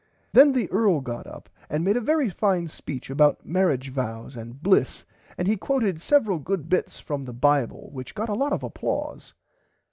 Then the earl got up and made a very fine speech about marrage vows and bliss and he quoted several good bits from the bible which got a lot of applause.